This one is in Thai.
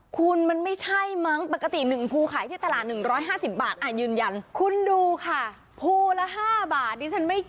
คุณมันไม่ใช่มั้งปกติ๑พูขายที่ตลาด๑๕๐บาท